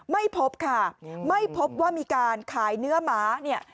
ไม่พบค่ะไม่พบว่ามีการขายเนื้อหมาเนี่ย